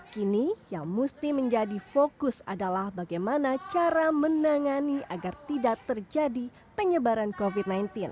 kini yang mesti menjadi fokus adalah bagaimana cara menangani agar tidak terjadi penyebaran covid sembilan belas